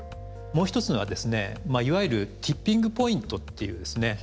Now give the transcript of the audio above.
もう一つにはですねいわゆる「ティッピング・ポイント」っていう。